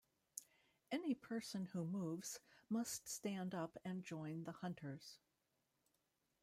Any person who moves must stand up and join the hunters.